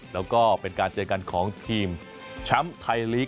แล้วก็เป็นการเจอกันของทีมแชมป์ไทยลีก